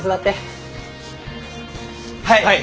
はい。